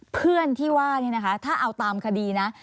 เพื่อนที่ว่านี่นะคะถ้าเอาตามคดีนะ